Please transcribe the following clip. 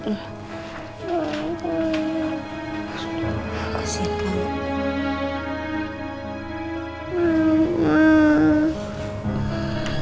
rendy jangan sakit